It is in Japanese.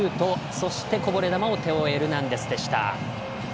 そして、こぼれ球をテオ・エルナンデスでした。